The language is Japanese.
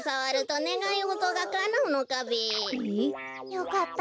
よかった。